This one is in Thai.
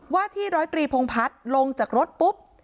ว่าที่ร้อยตรีพงพัฒน์ลงจากรถปุ๊บ